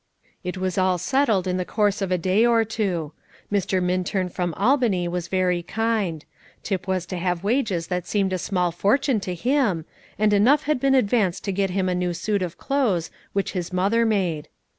It was all settled in the course of a day or two. Mr. Minturn from Albany was very kind. Tip was to have wages that seemed a small fortune to him, and enough had been advanced to get him a new suit of clothes, which his mother made.